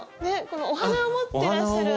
このお花を持ってらっしゃる。